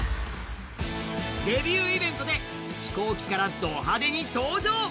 デビューイベントで飛行機からド派手に登場！